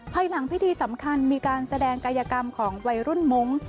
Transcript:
หลังพิธีสำคัญมีการแสดงกายกรรมของวัยรุ่นมงค์